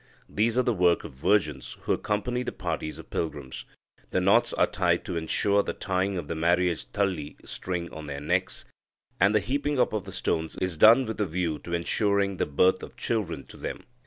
These are the work of virgins who accompany the parties of pilgrims. The knots are tied to ensure the tying of the marriage tali string on their necks, and the heaping up of the stones is done with a view to ensuring the birth of children to them.